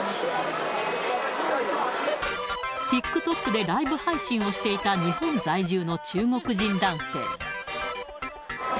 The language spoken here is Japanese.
ＴｉｋＴｏｋでライブ配信をしていた、日本在住の中国人男性。